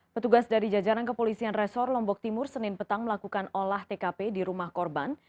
petugas dari jajaran kepolisian resor lombok timur senin petang melakukan olah tkp di rumah korban